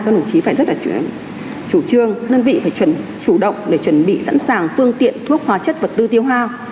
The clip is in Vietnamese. các đồng chí phải rất là chủ trương các đơn vị phải chủ động để chuẩn bị sẵn sàng phương tiện thuốc hóa chất và tư tiêu hoa